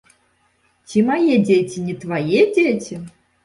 Ці мае дзеці не твае дзеці?